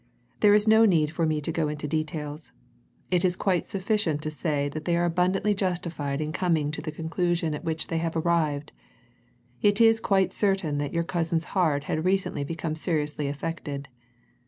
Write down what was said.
There is no need for me to go into details it is quite sufficient to say that they are abundantly justified in coming to the conclusion at which they have arrived: it is quite certain that your cousin's heart had recently become seriously affected.